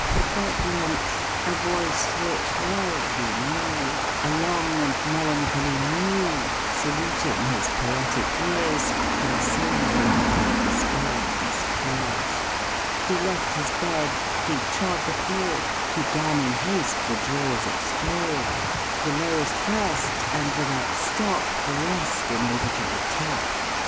At length a voice which well he knew, A long and melancholy mew, Saluting his poetic ears, Consoled him and dispell'd his fears: He left his bed, he trod the floor, He 'gan in haste the drawers explore, The lowest first, and without stop The rest in order to the top.